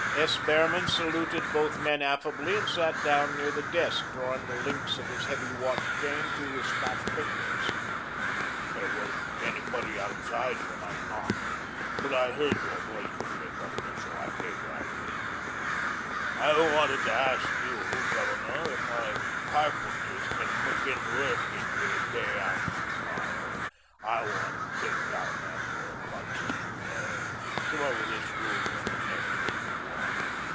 S. Behrman saluted both men affably and sat down near the desk, drawing the links of his heavy watch chain through his fat fingers. "There wasn't anybody outside when I knocked, but I heard your voice in here, Governor, so I came right in. I wanted to ask you, Governor, if my carpenters can begin work in here day after to morrow. I want to take down that partition there, and throw this room and the next into one.